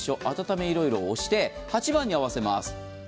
「あたためいろいろ」を押して８番に合わせます。